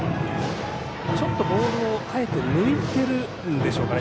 ちょっとボールをあえて抜いているんでしょうか。